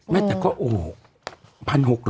แม่แต่ก็โอ้โห